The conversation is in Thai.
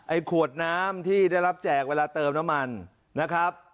ขวดน้ำที่ได้รับแจกเวลาเติมน้ำมันนะครับ